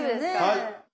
はい。